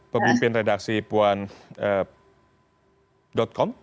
pemimpin redaksi puan com